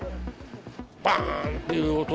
ばーんっていう音。